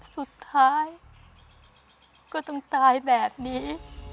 สุดท้ายก็ต้องตายแบบนี้